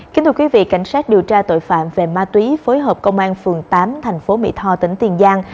kính thưa quý vị cảnh sát điều tra tội phạm về ma túy phối hợp công an phường tám thành phố mỹ tho tỉnh tiền giang